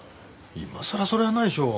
今さらそりゃないでしょう。